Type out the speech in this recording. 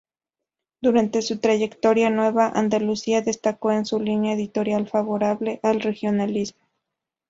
Durante su trayectoria "Nueva Andalucía" destacó por su línea editorial favorable al regionalismo.